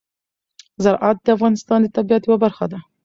زراعت د افغانستان د طبیعت یوه برخه ده.